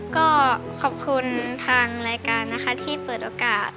ก็ขอบคุณทางรายการนะคะที่เปิดโอกาส